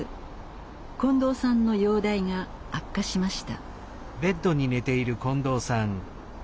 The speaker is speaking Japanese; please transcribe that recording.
近藤さんの容体が悪化しました。